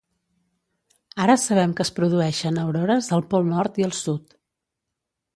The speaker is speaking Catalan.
Ara sabem que es produeixen aurores al pol nord i al sud.